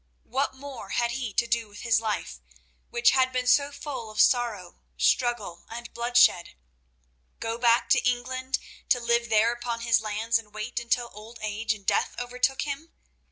What more had he to do with his life, which had been so full of sorrow, struggle and bloodshed? Go back to England to live there upon his lands, and wait until old age and death overtook him?